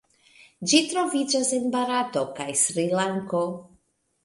Ĝi troviĝas en Barato kaj Srilanko.